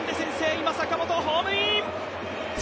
今、坂本ホームイン。